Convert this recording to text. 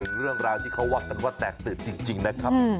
เป็นเรื่องราวที่เขาว่ากันว่าแตกเตืบจริงแล้วครับ